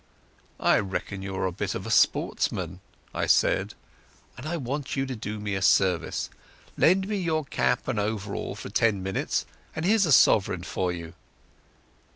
"I reckon you're a bit of a sportsman," I said, "and I want you to do me a service. Lend me your cap and overall for ten minutes, and here's a sovereign for you."